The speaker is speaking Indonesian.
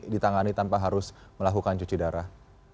ditangani tanpa harus melakukan cuci darah